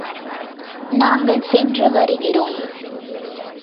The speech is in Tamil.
நாங்கள் சென்று வருகிறோம்.